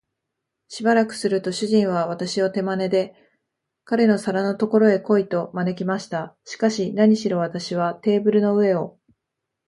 しばらくすると、主人は私を手まねで、彼の皿のところへ来い、と招きました。しかし、なにしろ私はテーブルの上を